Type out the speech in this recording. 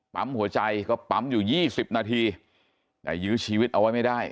ปั๊มหัวใจก็ปั๊มอยู่๒๐นาทีแต่ยื้อชีวิตเอาไว้ไม่ได้